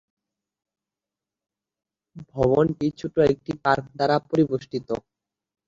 ভবনটি ছোট একটি পার্ক দ্বারা পরিবেষ্টিত।